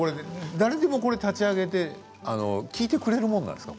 誰でも立ち上げて聞いてくれるものなんですか？